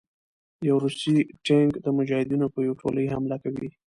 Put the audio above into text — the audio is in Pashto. يو روسي ټېنک د مجاهدينو په يو ټولې حمله کوي